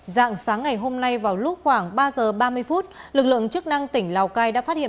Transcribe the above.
dạng sáng ngày hôm nay vào lúc khoảng ba giờ ba mươi phút lực lượng chức năng tỉnh lào cai đã phát hiện